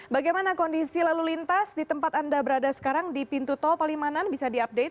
bagaimana kondisi lalu lintas di tempat anda berada sekarang di pintu tol palimanan bisa diupdate